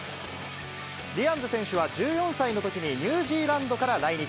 ディアンズ選手は１４歳のときにニュージーランドから来日。